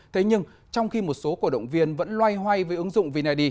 thế nhưng trong khi một số cổ động viên vẫn loay hoay với ứng dụng vin id